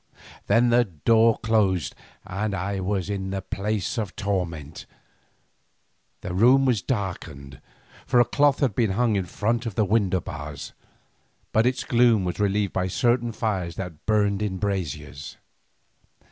Then the door closed and I was in the place of torment. The room was darkened, for a cloth had been hung in front of the window bars, but its gloom was relieved by certain fires that burned in braziers.